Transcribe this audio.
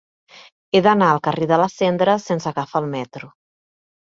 He d'anar al carrer de la Cendra sense agafar el metro.